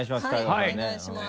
はいお願いします。